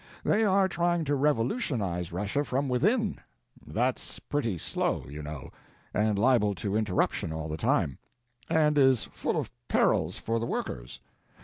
They are trying to revolutionize Russia from within; that's pretty slow, you know, and liable to interruption all the time, and is full of perils for the workers.